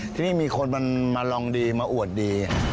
ที่นี่มีคนมารองดีมาอวดดี